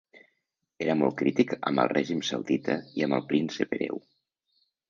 Era molt crític amb el règim saudita i amb el príncep hereu.